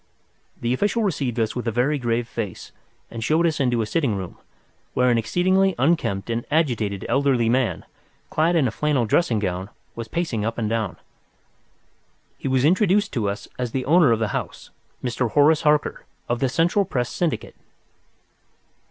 The official received us with a very grave face and showed us into a sitting room, where an exceedingly unkempt and agitated elderly man, clad in a flannel dressing gown, was pacing up and down. He was introduced to us as the owner of the house—Mr. Horace Harker, of the Central Press Syndicate.